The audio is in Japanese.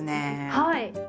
はい。